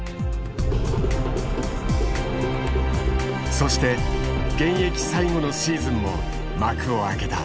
そして現役最後のシーズンも幕を開けた。